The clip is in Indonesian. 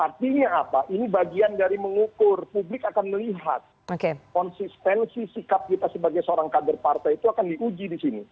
artinya apa ini bagian dari mengukur publik akan melihat konsistensi sikap kita sebagai seorang kader partai itu akan diuji di sini